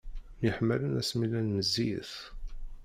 Myeḥmmalen asmi llan meẓẓiyit.